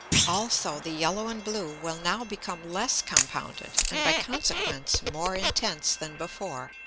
Also the yellow and blue will now become less compounded, and by consequence more intense than before.